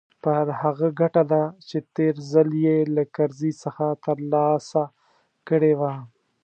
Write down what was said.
پر هغه ګټه ده چې تېر ځل يې له کرزي څخه ترلاسه کړې وه.